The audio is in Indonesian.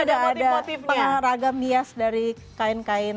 nah ini juga ada pengaraga bias dari kain kain